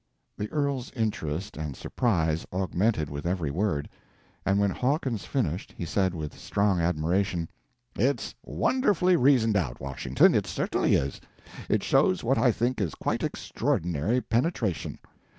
The earl's interest and surprise augmented with every word, and when Hawkins finished, he said with strong admiration: "It's wonderfully reasoned out, Washington, it certainly is. It shows what I think is quite extraordinary penetration.